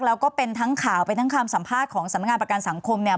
แล้วก็เป็นทั้งข่าวเป็นทั้งคำสัมภาษณ์ของสำนักงานประกันสังคมเนี่ย